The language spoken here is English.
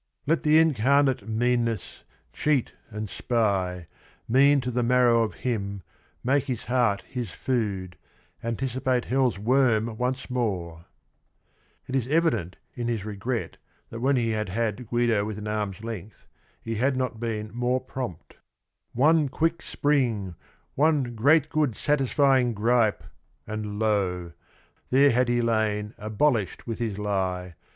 "Let the incarnate meanness, cheat and spy, Mean to the marrow of him, make his heart His food, anticipate hell's worm once more !" It is evident in his regret that when he had had Guido within arms' length, he had not been more prompt : CAPONSACCHI 99 "— one quick spring, One great good satisfying gripe, and lo 1 There had he lain abolished with his lie